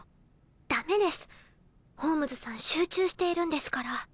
ダメですホームズさん集中しているんですから。